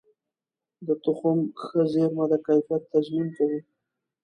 د تخم ښه زېرمه د کیفیت تضمین کوي.